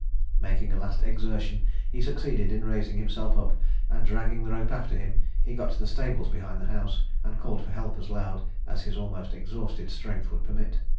Making a last exertion, he succeeded in raising himself up, and, dragging the rope after him, he got to the stables behind the house, and called for help as loud as his almost exhausted strength would permit.